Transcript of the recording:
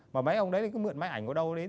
mà mấy ông đấy cứ mượn máy ảnh của đâu đến